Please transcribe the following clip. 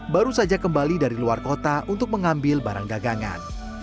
baru saja kembali dari luar kota untuk mengambil barang dagangan